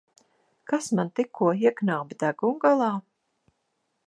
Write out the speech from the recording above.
Kas man tikko ieknāba degungalā?